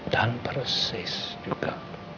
dan persis juga